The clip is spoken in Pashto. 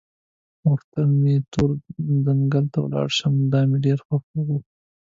غوښتل مې تور ځنګله ته ولاړ شم، دا مې ډېره خوښه وه.